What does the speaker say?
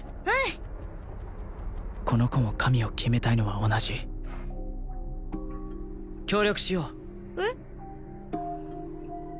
うんこの子も神を決めたいのは同じ協力しようえっ？